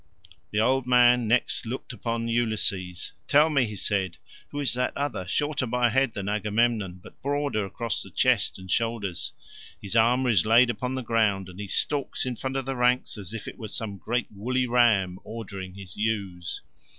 The old man next looked upon Ulysses; "Tell me," he said, "who is that other, shorter by a head than Agamemnon, but broader across the chest and shoulders? His armour is laid upon the ground, and he stalks in front of the ranks as it were some great woolly ram ordering his ewes."